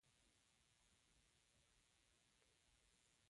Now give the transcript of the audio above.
هلته د جهاد هنګامه توده کړي.